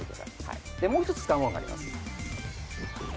もう一つ使うものがあります。